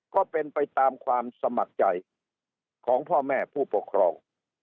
ก็เป็นไปตามความสมัครใจของพ่อแม่ผู้ปกครอง